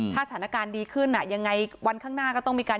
ถ้าสถานการณ์ดีขึ้นอ่ะยังไงวันข้างหน้าก็ต้องมีการ